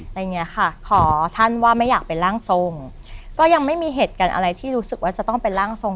อะไรอย่างเงี้ยค่ะขอท่านว่าไม่อยากเป็นร่างทรงก็ยังไม่มีเหตุการณ์อะไรที่รู้สึกว่าจะต้องเป็นร่างทรง